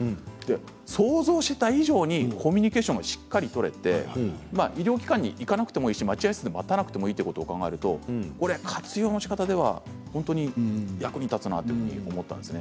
想像した以上にコミュニケーションがしっかり取れて医療機関に行かなくてもいいし待合室で待たなくてもいいということを考えると活用のしかたでは役に立つなと思ったんです。